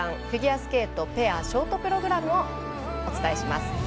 フィギュアスケートペアショートプログラムをお伝えいたします。